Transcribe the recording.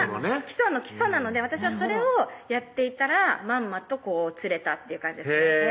基礎の基礎なので私はそれをやっていたらまんまと釣れたっていう感じです